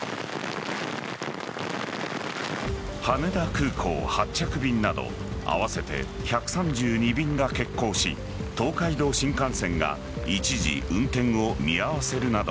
羽田空港発着便など合わせて１３２便が欠航し東海道新幹線が一時運転を見合わせるなど